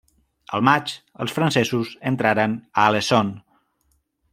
El maig, els francesos entraren a Alençon.